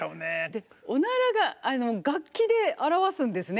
でおならが楽器で表すんですね